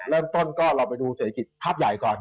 เริ่มต้นก็เราไปดูเศรษฐกิจภาพใหญ่ก่อน